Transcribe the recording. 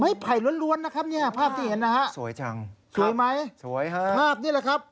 ไม้ไผ่ล้วนนะครับภาพที่เห็นนะครับสวยจังสวยไหมสวยครับภาพนี้แหละครับ